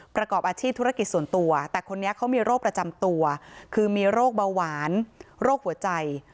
ประกอบอาชีพธุรกิจส่วนตัวแต่คนนี้เขามีโรคประจำตัวคือมีโรคเบาหวานโรคหัวใจ